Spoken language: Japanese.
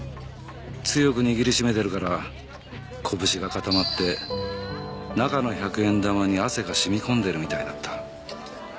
強く握り締めてるから拳が固まって中の百円玉に汗が染み込んでるみたいだった。